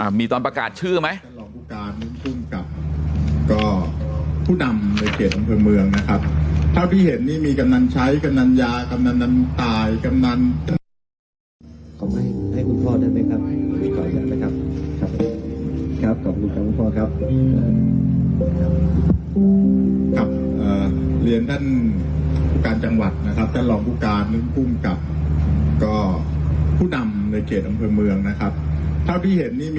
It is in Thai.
อ่ามีตอนประกาศชื่อไหม